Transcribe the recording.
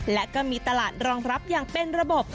และก็มีตลาดรองรับอย่างเป็นระบบ